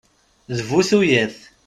D bu tuyat!